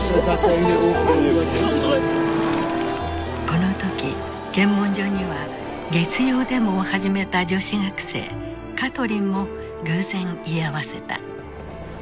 この時検問所には月曜デモを始めた女子学生カトリンも偶然居合わせた。